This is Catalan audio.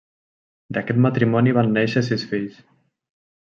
D'aquest matrimoni van nàixer sis fills.